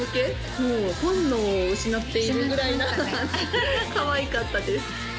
もう本能を失っているぐらいなかわいかったです